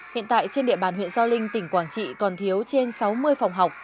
hiện tại trên địa bàn huyện gio linh tỉnh quảng trị còn thiếu trên sáu mươi phòng học